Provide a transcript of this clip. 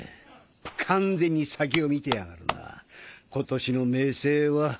完全に先を見てやがるな今年の明青は。